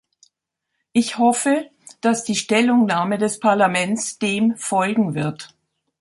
Ich hoffe, dass die Stellungnahme des Parlaments dem folgen wird.